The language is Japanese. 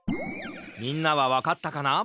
みんなはわかったかな？